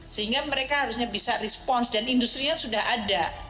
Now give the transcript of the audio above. sehingga mereka harusnya bisa respons dan industri nya sudah ada